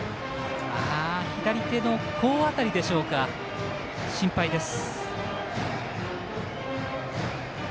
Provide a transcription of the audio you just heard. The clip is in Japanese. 左手の甲辺りでしょうか心配です。